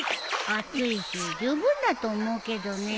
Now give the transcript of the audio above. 暑いし十分だと思うけどね。